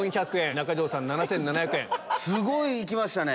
すごい行きましたね。